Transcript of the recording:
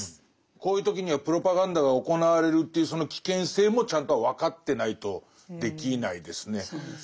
こういう時にはプロパガンダが行われるというその危険性もちゃんと分かってないとできないですね。